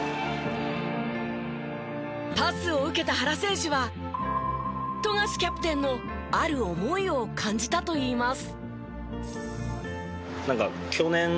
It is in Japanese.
パスを受けた原選手は富樫キャプテンのある思いを感じたと言います。